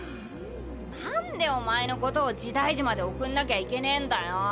なんでおまえのことを時代樹まで送んなきゃいけねえんだよぉ！？